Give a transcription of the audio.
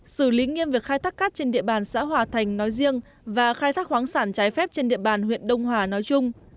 xử lý nghiêm việc khai thác cát trên địa bàn xã hòa thành nói riêng và khai thác khoáng sản trái phép trên địa bàn huyện đông hòa nói chung